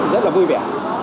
rất vui vẻ